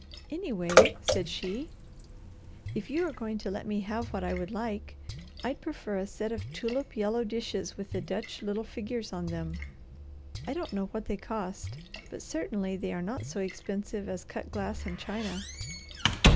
"Anyway," said she, "if you are going to let me have what I would like, I'd prefer a set of tulip yellow dishes with the Dutch little figures on them. I don't know what they cost, but certainly they are not so expensive as cut glass and china."